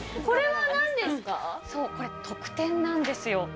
これ、特典なんですよ。